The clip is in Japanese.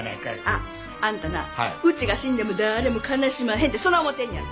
あっあんたなうちが死んでも誰も悲しまへんってそない思ってんねやろ！？